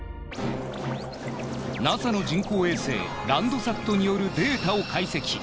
ＮＡＳＡの人工衛星ランドサットによるデータを解析。